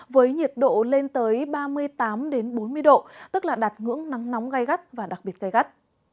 với nhiệt độ lên tới ba mươi tám bốn mươi độ tức là đạt ngưỡng nắng nóng gai gắt và đặc biệt gai gắt